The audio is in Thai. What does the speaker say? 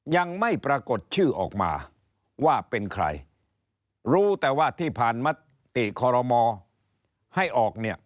ยังไม่ปรากฏชื่อออกมาว่าเป็นใครรู้แต่ว่าที่ผ่านมติคอรมอให้ออกเนี่ย